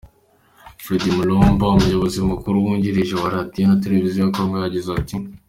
Freddy Mulumba, umuyobozi mukuru wungirije wa radiyo na televiziyo ya Kongo, yagize ati:.